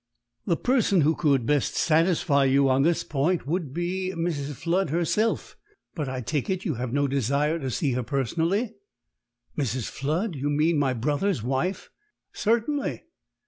"The person who could best satisfy you on this point would be Mrs. Flood herself; but I take it you have no desire to see her personally." "Mrs. Flood? Do you mean my brother's wife?" "Certainly."